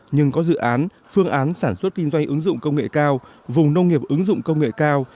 nhưng có dự án phương án sản xuất kinh doanh ứng dụng công nghệ cao vùng nông nghiệp ứng dụng công nghệ cao